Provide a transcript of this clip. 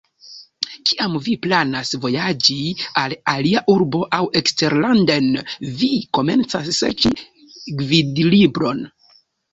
Kiam vi planas vojaĝi al alia urbo aŭ eksterlanden, vi komencas serĉi gvidlibron.